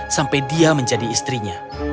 sampai dia menjadi istrinya